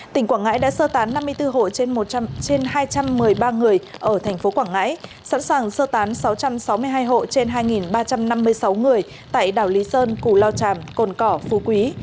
tỉnh quảng ngãi đã sơ tán năm mươi bốn hộ trên hai trăm một mươi ba người ở thành phố quảng ngãi sẵn sàng sơ tán sáu trăm sáu mươi hai hộ trên hai ba trăm năm mươi sáu người tại đảo lý sơn củ lao tràm cồn cỏ phú quý